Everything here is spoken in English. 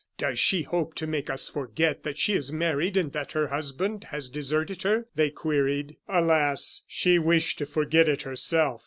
"Does she hope to make us forget that she is married and that her husband has deserted her?" they queried. Alas! she wished to forget it herself.